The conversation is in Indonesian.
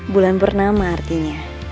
bulan purnama artinya